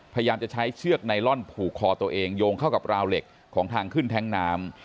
พยายามจะใช้เชือกไนลอนผูกคอตัวเองโยงเข้ากับราวเหล็กของทางขึ้นแท้งน้ำ